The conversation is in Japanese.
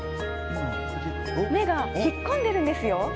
目が引っ込んでるんですよ。